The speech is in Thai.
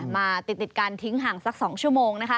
มาติดกันทิ้งห่างสัก๒ชั่วโมงนะคะ